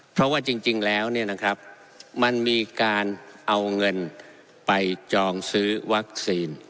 เพราะว่าจริงแล้วมันมีการเอาเงินไปจองซื้อวัคซีน